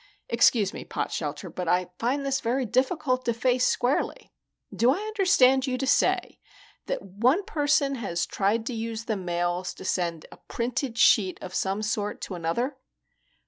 "Excuse me, Potshelter, but I find this very difficult to face squarely. Do I understand you to say that one person has tried to use the mails to send a printed sheet of some sort to another?"